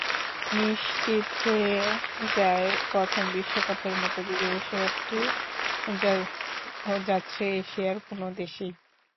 নিশ্চিত হয়ে যায় প্রথম বিশ্বকাপের মতো দ্বিতীয় বিশ্বকাপটিও যাচ্ছে এশিয়ার কোনো দেশেই।